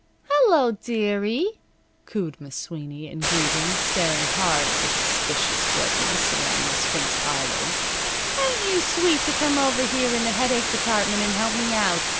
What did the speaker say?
"Hello, dearie!" cooed Miss Sweeney, in greeting, staring hard at the suspicious redness around Miss Fink's eyelids. "Ain't you sweet to come over here in the headache department and help me out!